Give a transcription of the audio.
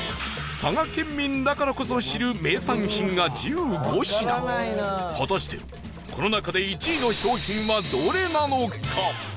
佐賀県民だからこそ知る名産品が１５品果たして、この中で１位の商品は、どれなのか？